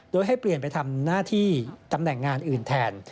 โดยให้เปลี่ยนไปทำหน้าที่ตำแหน่งงานอื่นแทน